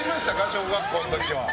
小学校の時は。